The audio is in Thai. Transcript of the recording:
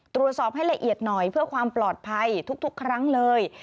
ตรวจสอบให้ละเอียดหน่อยเพื่อความปลอดภัยทุกครั้งเลย